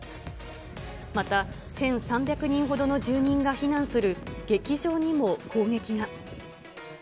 また１３００人ほどの住人が避難する劇場にも攻撃が。